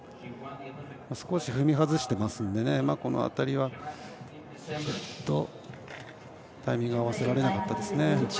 少し踏み外していますのでこの辺りは、ちょっとタイミングが合わせられなかったですね。